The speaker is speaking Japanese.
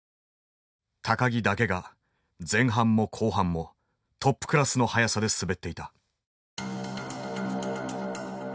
木だけが前半も後半もトップクラスの速さで滑っていた。